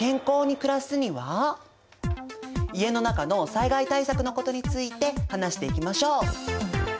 家の中の災害対策のことについて話していきましょう。